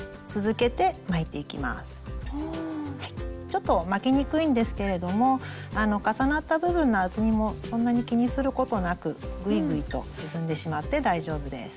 ちょっと巻きにくいんですけれども重なった部分の厚みもそんなに気にすることなくぐいぐいと進んでしまって大丈夫です。